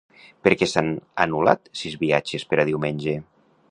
Per què s'han anul·lat sis viatges per a diumenge?